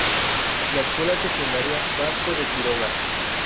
La escuela secundaria Vasco de Quiroga.